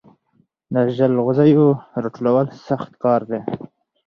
د جلغوزیو راټولول سخت کار دی